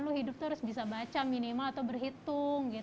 lu hidup itu harus bisa baca minimal atau berhitung